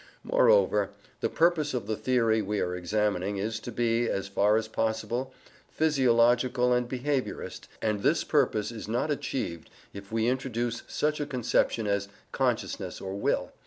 Moreover, the purpose of the theory we are examining is to be, as far as possible, physiological and behaviourist, and this purpose is not achieved if we introduce such a conception as "consciousness" or "will."